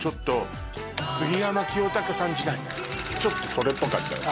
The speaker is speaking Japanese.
時代ねちょっとそれっぽかったね。